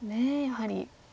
やはり。